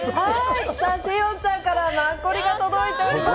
セヨンちゃんからマッコリが届いております。